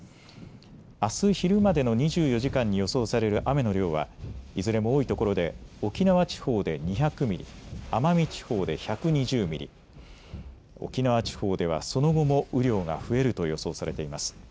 あす昼までの２４時間に予想される雨の量はいずれも多いところで沖縄地方で２００ミリ、奄美地方で１２０ミリ、沖縄地方ではその後も雨量が増えると予想されています。